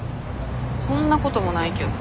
そんなこともないけど。